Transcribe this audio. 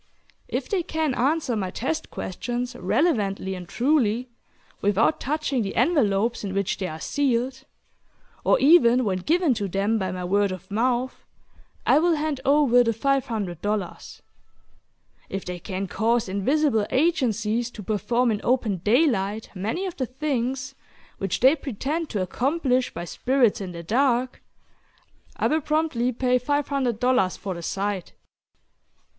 If they can answer my test questions relevantly and truly, without touching the envelopes in which they are sealed or even when given to them by my word of mouth, I will hand over the $500. If they can cause invisible agencies to perform in open daylight many of the things which they pretend to accomplish by spirits in the dark, I will promptly pay $500 for the sight.